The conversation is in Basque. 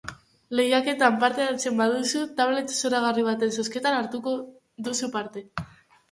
Lehiaketan parte hartzen baduzu, tablet zoragarri baten zozketan hartuko duzu parte.